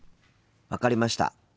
分かりました。